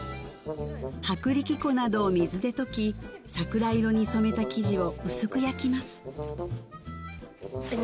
薄力粉などを水で溶き桜色に染めた生地を薄く焼きます